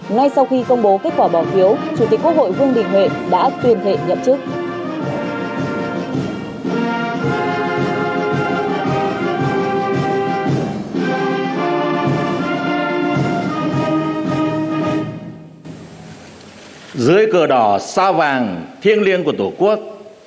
ngay sau khi công bố kết quả bỏ phiếu chủ tịch quốc hội vương đình huệ đã tuyên thệ nhậm chức